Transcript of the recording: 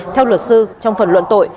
theo luật sư trong phần luận tội